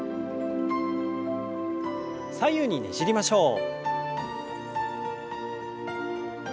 左右にねじりましょう。